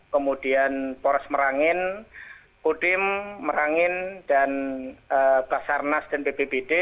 kemudian pores merangin kudim merangin dan basarnas dan bbbd